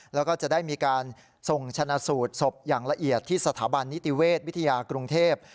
แล้วก็จะได้มีการส่งชนะสูตรศพอย่างละเอียดที่สถาบันนิติเวชวิทยากรุงเทพ